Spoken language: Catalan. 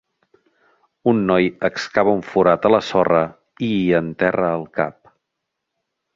Un noi excava un forat a la sorra i hi enterra el cap.